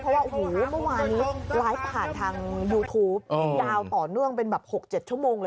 เพราะว่าโอ้โหเมื่อวานนี้ไลฟ์ผ่านทางยูทูปดาวต่อเนื่องเป็นแบบ๖๗ชั่วโมงเลย